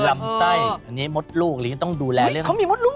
ลำไส้อันนี้มดลูกต้องดูแลเรื่อง